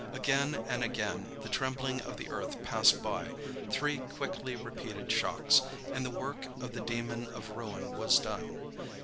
Again and again the trembling of the earth passed by, three quickly repeated shocks, and the work of the demon of ruin was done.